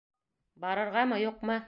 Барырғамы, юҡмы?